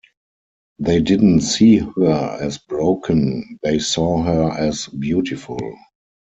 They didn't see her as broken, they saw her as beautiful.